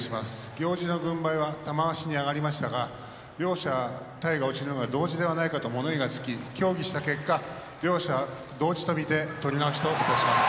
行司軍配は玉鷲に上がりましたが両者、体が落ちるのが同時ではないかと物言いがつき協議した結果、両者同時と見て取り直しといたします。